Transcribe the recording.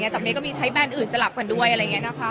แต่เมย์ก็มีใช้แบรนด์อื่นสลับกันด้วยอะไรอย่างนี้นะคะ